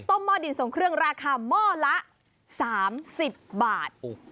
หม้อดินส่งเครื่องราคาหม้อละ๓๐บาท